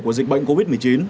của dịch bệnh covid một mươi chín